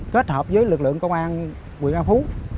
kết hợp với lực lượng công an nguyễn an phú